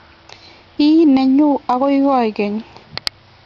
Ii nenyu ako koikeny